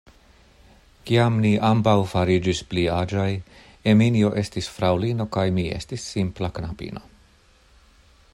Kiam ni ambaŭ fariĝis pli aĝaj, Eminjo estis fraŭlino kaj mi estis simpla knabino.